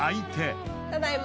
ただいま。